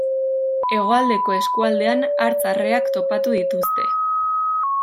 Hegoaldeko eskualdean hartz arreak topatu dituzte.